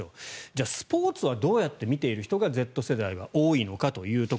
じゃあ、スポーツはどうやって見ている人はＺ世代は多いのか。